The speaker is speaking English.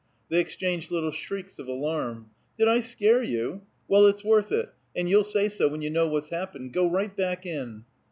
They exchanged little shrieks of alarm. "Did I scare you? Well, it's worth it, and you'll say so when you know what's happened. Go right back in!"